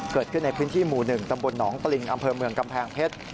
เกิดขึ้นในพื้นที่หมู่๑ตำบลหนองปริงอำเภอเมืองกำแพงเพชร